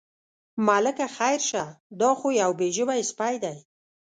ملکه خیر شه، دا خو یو بې ژبې سپی دی.